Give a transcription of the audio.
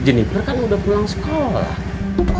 jennifer kan udah pulang sekolah